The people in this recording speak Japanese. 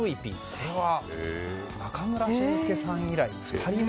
これは中村俊輔さん以来２人目。